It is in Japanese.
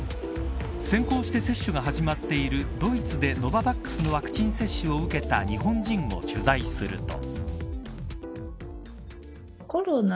先行して接種が始まっているドイツでノババックスのワクチン接種を受けた日本人を取材すると。